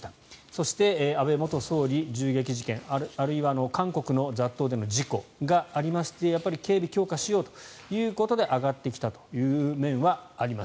そして、安倍元総理銃撃事件あるいは韓国の雑踏での事故がありまして警備強化しようということで上がってきたという面はあります。